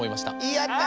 やった！